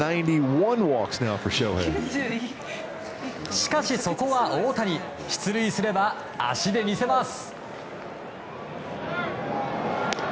しかし、そこは大谷出塁すれば、足で見せます。